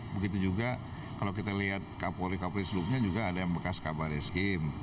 begitu juga kalau kita lihat kapolri kapolri sebelumnya juga ada yang bekas kabar eskrim